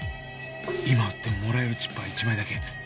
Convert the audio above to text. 今撃ってももらえるチップは１枚だけ